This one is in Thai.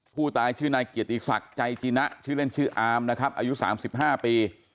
ผู้ตายชื่อนายเกียรติศักดิ์ใจจีนะชื่อเล่นชื่ออามนะครับอายุ๓๕ปี